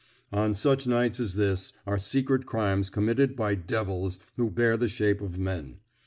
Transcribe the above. On such nights as this are secret crimes committed by devils who bear the shape of men.